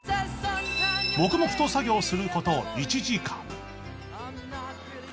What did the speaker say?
黙々と作業する事１時間